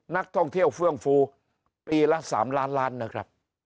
นักท่องเที่ยวเฟื่องฟูปีละ๓ล้านล้านนะครับ